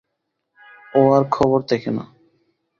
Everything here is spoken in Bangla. ও আর খবর দেখে না।